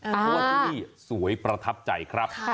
เพราะว่าที่นี่สวยประทับใจครับ